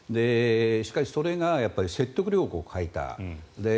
しかし、それが説得力を欠いた。